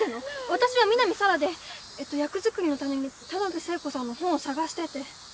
私は南沙良で役作りのために田辺聖子さんの本を探してて。